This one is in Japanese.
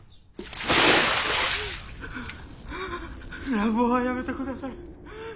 乱暴はやめてください。